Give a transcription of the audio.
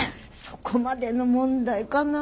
そこまでの問題かな？